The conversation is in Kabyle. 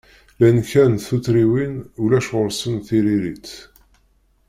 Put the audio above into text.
Llant kra n tuttriwin ulac ɣur-sent tiririt.